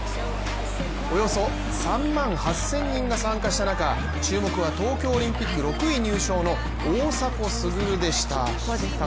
およそ３万８０００人が参加した中、注目は東京オリンピック６位入賞の大迫傑でした。